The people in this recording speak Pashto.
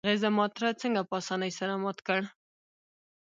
هغې زما تره څنګه په اسانۍ سره مات کړ؟